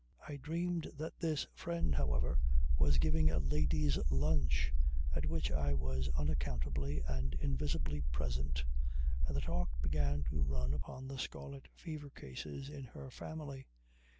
I dreamed that this friend, however, was giving a ladies' lunch, at which I was unaccountably and invisibly present, and the talk began to run upon the scarlet fever cases in her family.